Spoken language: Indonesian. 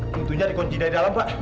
tentunya dikunci dari dalam pak